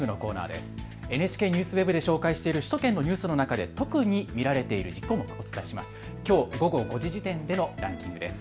ＮＨＫＮＥＷＳＷＥＢで紹介している首都圏のニュースの中で特に見られている項目をお伝えします。